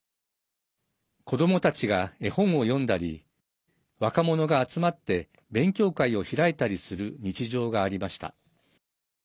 子どもたちが絵本を読んだり若者が集まって勉強会を開いたりする日常がありました。